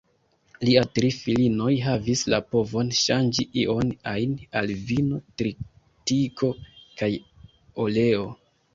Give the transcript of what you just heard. Lia tri filinoj havis la povon ŝanĝi ion-ajn al vino, tritiko kaj oleo.